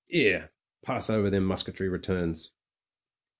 'Ere, pass over them musketry returns."